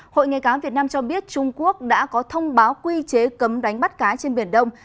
hội nghề cá việt nam cho biết trung quốc đã có thông báo quy chế cấm đánh bắt cá trên biển đông